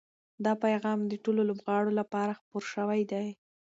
دا پیغام د ټولو لوبغاړو لپاره خپور شوی دی.